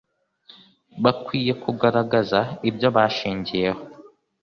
bakwiye kugaragaza ibyo bashingiyeho